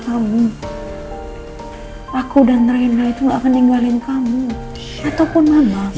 haku dan tern exert berlenggahan itu cast peeling kamu ataupun mana iya